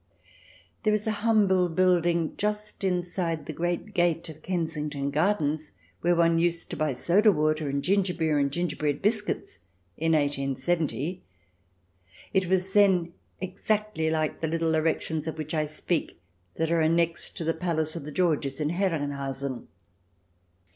There is a humble building just inside the great gate of Kensington Gardens where one used to buy soda water, and ginger beer, and gingerbread biscuits in 1870. It was then exactly like the little erections of which I speak that are annexed to the palace of the Georges in Herrenhausen.